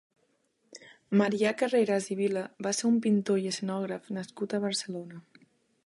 Marià Carreras i Vila va ser un pintor i escenògraf nascut a Barcelona.